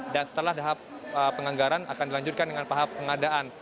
dan setelah tahap penganggaran akan dilanjutkan dengan tahap pengadaan